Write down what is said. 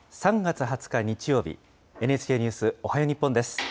３月２０日日曜日、ＮＨＫニュースおはよう日本です。